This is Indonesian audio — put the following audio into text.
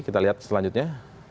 kita lihat selanjutnya